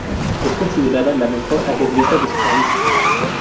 Es considerada la mejor ajedrecista de su país.